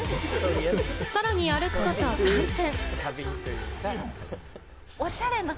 さらに歩くこと３分。